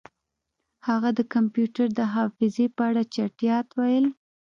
هغه د کمپیوټر د حافظې په اړه چټیات ویل